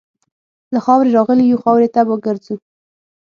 له خاورې راغلي یو، خاورې ته به ګرځو.